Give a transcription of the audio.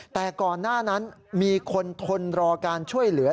แต่ก่อนหน้านั้นมีคนทนรอการช่วยเหลือ